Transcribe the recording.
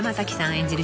演じる